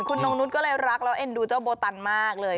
คุณนงนุษย์ก็เลยรักแล้วเอ็นดูเจ้าโบตันมากเลย